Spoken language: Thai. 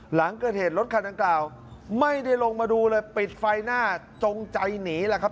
หลังเกิดเหตุรถคันดังกล่าวไม่ได้ลงมาดูเลยปิดไฟหน้าจงใจหนีแหละครับ